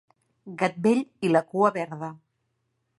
Gat vell i la cua verda.